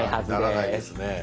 ならないですね。